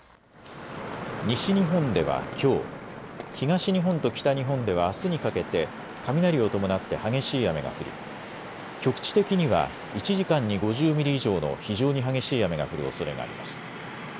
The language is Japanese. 西日本ではきょう、東日本と北日本ではあすにかけて雷を伴って激しい雨が降り局地的には１時間に５０ミリ以上の非常に激しい雨が降るおそれがあります。